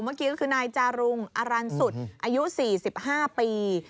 เมื่อกี้ก็คือนายจารุงอรันสุดอายุ๔๕ปี